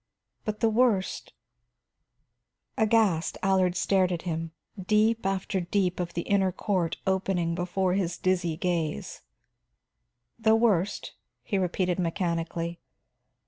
But the worst " Aghast, Allard stared at him, deep after deep of the inner court opening before his dizzy gaze. "The worst?" he repeated mechanically.